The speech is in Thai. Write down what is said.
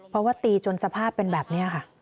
เพราะว่าตีจนสภาพเป็นแบบนี้ค่ะ